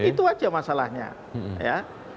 itu aja masalahnya ya